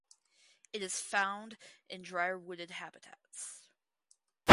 It is found in drier wooded habitats.